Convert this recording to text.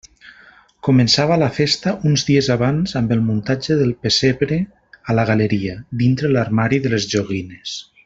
Començava la festa uns dies abans amb el muntatge del pessebre, a la galeria, dintre l'armari de les joguines.